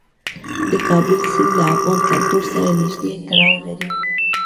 د کابل سیند له افغان کلتور سره نږدې تړاو لري.